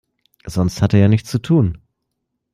Sonst hat er ja nichts zu tun.